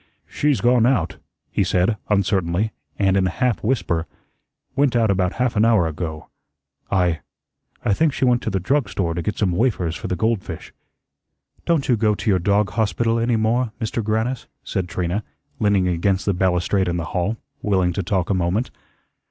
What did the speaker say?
"She's gone out," he said, uncertainly, and in a half whisper, "went out about half an hour ago. I I think she went to the drug store to get some wafers for the goldfish." "Don't you go to your dog hospital any more, Mister Grannis?" said Trina, leaning against the balustrade in the hall, willing to talk a moment.